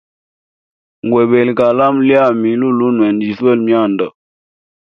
Ngwebele kalamu lyami lolunwe, ndjiswele myanda.